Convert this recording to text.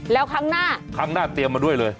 แล้วครั้งหน้าครั้งหน้าเตรียมมาด้วยเลย